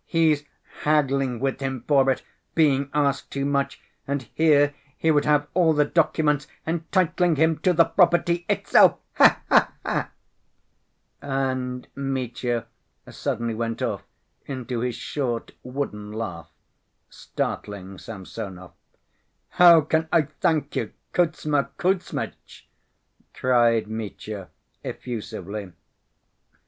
He's haggling with him for it, being asked too much, and here he would have all the documents entitling him to the property itself. Ha ha ha!" And Mitya suddenly went off into his short, wooden laugh, startling Samsonov. "How can I thank you, Kuzma Kuzmitch?" cried Mitya effusively.